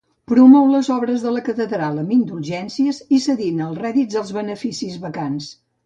Promou les obres de la catedral amb indulgències i cedint els rèdits dels beneficis vacants.